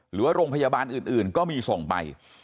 หรือว่าโรงพยาบาลอื่นก็มีส่งไป